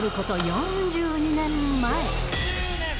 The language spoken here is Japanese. ４２年前。